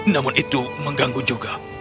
namun itu mengganggu